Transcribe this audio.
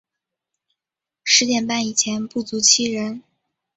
十点半以前不足七人